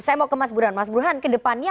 saya mau ke mas burhan mas burhan ke depannya